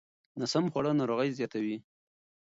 ناسم خواړه ناروغۍ زیاتوي.